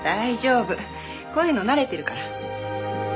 こういうの慣れてるから。